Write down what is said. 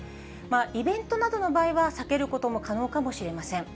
イベントなどの場合は避けることも可能かもしれません。